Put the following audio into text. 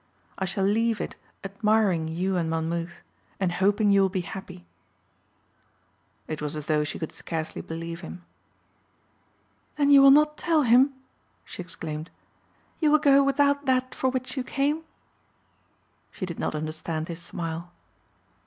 I shall leave it admiring you and Monmouth and hoping you will be happy." It was as though she could scarcely believe him. "Then you will not tell him?" she exclaimed. "You will go without that for which you came?" She did not understand his smile.